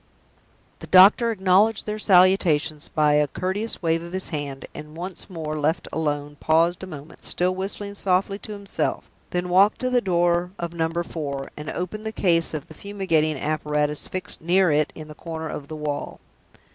The doctor acknowledged their salutations by a courteous wave of his hand; and, once more left alone, paused a moment, still whistling softly to himself, then walked to the door of Number Four, and opened the case of the fumigating apparatus fixed near it in the corner of the wall.